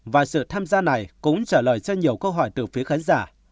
và sự tham gia này cũng trả lời cho nhiều câu hỏi từ phía khán giả